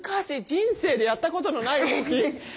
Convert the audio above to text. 人生でやったことのない動き！